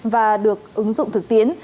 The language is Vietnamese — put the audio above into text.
và được ứng dụng thực tiến